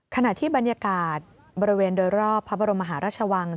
ขณะที่บรรยากาศบริเวณโดยรอบพระบรมมหาราชวัง